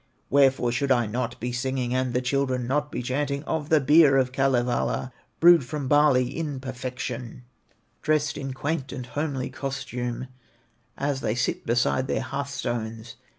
Wherefore should I not be singing, And the children not be chanting Of the beer of Kalevala, Brewed from barley in perfection, Dressed in quaint and homely costume, As they sit beside their hearth stones.